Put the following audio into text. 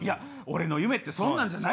俺の夢ってそんなんじゃない。